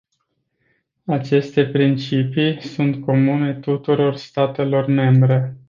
Aceste principii sunt comune tuturor statelor membre.